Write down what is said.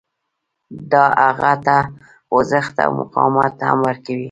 دا هغه ته خوځښت او مقاومت هم ورکوي